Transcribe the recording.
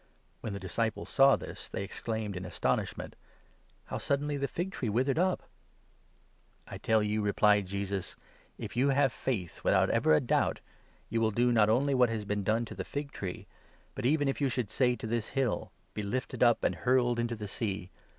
When the disciples 20 saw this, they exclaimed in astonishment :" How suddenly the fig tree withered up !" "I tell you," replied Jesus, "if you have faith, withont 21 ever a doubt, you will do not only what has been done to the fig tree, but, even if you should say to this hill ' Be lifted up and hurled into the sea